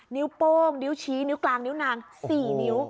นิ้วโป้งนิ้วชี้นิ้วกลางนิ้วนาง๔นิ้ว